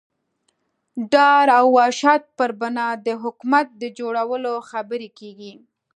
ډار او وحشت پر بنا د حکومت د جوړولو خبرې کېږي.